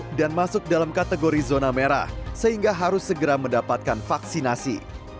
masuk dalam kategori zona merah sehingga harus segera mendapatkan vaksinasi